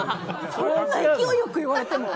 勢いよく言われても！